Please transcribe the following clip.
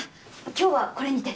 今日はこれにて。